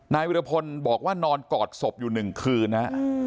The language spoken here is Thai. วิรพลบอกว่านอนกอดศพอยู่๑คืนนะ